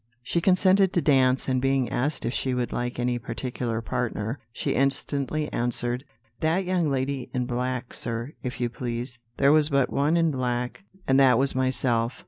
She consented to dance, and being asked if she would like any particular partner, she instantly answered: "'That young lady in black, sir, if you please.' "There was but one in black, and that was myself.